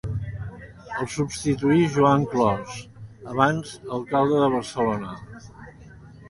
El substituí Joan Clos, abans alcalde de Barcelona.